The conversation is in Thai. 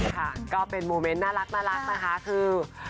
ค่ะก็เป็นโมเมนต์น่ารักนะคะคือ